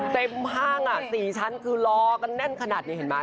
เต็มอ้างอ่ะ๔ชั้นคือรอก็แน่นขนาดนี่เห็นมั๊ย